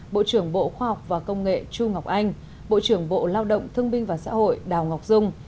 bộ trưởng bộ khoa học và công nghệ chu ngọc anh bộ trưởng bộ lao động thương binh và xã hội đào ngọc dung